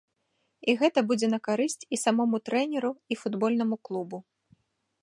І гэта будзе на карысць і самому трэнеру, і футбольнаму клубу.